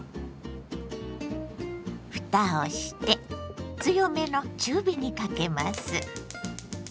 ふたをして強めの中火にかけます。